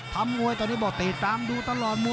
ทำมวยตอนนี้บอกติดตามดูตลอด